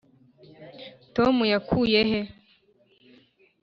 tom yakuye he